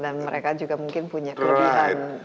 dan mereka juga mungkin punya kebutuhan